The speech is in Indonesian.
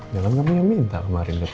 jangan kami yang minta kemarin